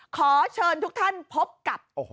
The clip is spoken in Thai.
ขอเชิญทุกท่านพบกับ